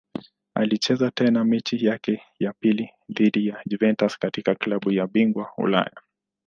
Alicheza tena mechi yake ya pili dhidi ya Juventus katika klabu bingwa Ulaya.